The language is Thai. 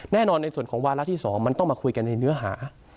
แน่นอนในส่วนของวาระที่๒มันต้องมาคุยกันในเนื้อหา